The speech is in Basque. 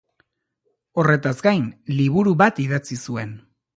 Horretaz gain liburu bat idatzi zuen.